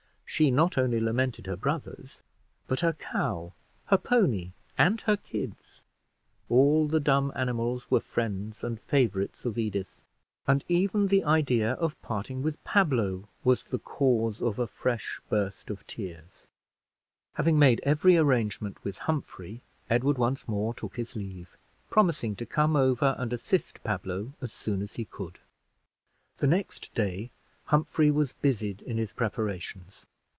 She not only lamented her brothers, but her cow, her pony, and her kids; all the dumb animals were friends and favorites of Edith; and even the idea of parting with Pablo, was the cause of a fresh burst of tears. Having made every arrangement with Humphrey, Edward once more took his leave, promising to come over and assist Pablo as soon as he could. The next day Humphrey was busied in his preparations.